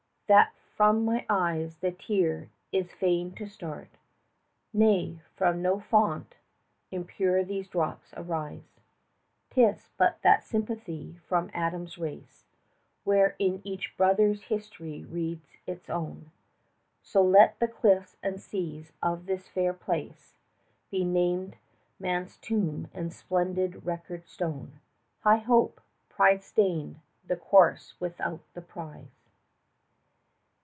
That from my eyes the tear is fain to start. Nay, from no fount impure these drops arise; 'Tis but that sympathy with Adam's race 10 Which in each brother's history reads its own. So let the cliffs and seas of this fair place Be named man's tomb and splendid record stone, High hope, pride stained, the course without the prize.